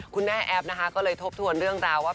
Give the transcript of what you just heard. คุณแม่แอฟก็เลยทบทวนเรื่องราวว่า